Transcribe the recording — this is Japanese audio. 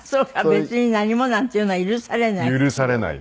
「別に何も」なんていうのは許されない？